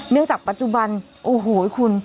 เนื่องจากปัจจุบันโอ้โหคุณ